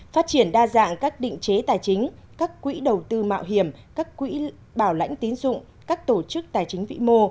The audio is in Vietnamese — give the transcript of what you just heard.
phát triển đa dạng các định chế tài chính các quỹ đầu tư mạo hiểm các quỹ bảo lãnh tín dụng các tổ chức tài chính vĩ mô